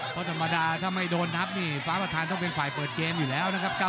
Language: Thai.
เพราะธรรมดาถ้าไม่โดนนับนี่ฟ้าประธานต้องเป็นฝ่ายเปิดเกมอยู่แล้วนะครับ